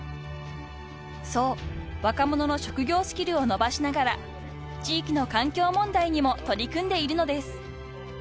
［そう若者の職業スキルを伸ばしながら地域の環境問題にも取り組んでいるのです］